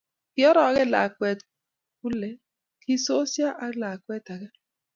Kiorogen lakwet kule kisosio ak lakwet age